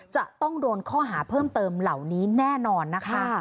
จะต้องโดนข้อหาเพิ่มเติมเหล่านี้แน่นอนนะคะ